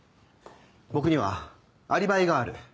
僕にはアリバイがある。